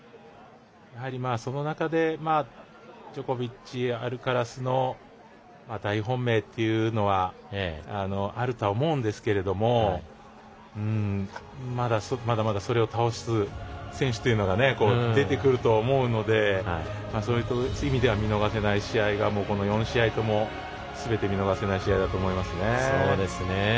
その中でジョコビッチ、アルカラスの大本命というのはあると思いますがまだまだそれを倒す選手が出てくると思うのでそういう意味では見逃せない試合というのはこの４試合ともすべて見逃せない試合だと思います。